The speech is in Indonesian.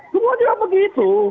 semua juga begitu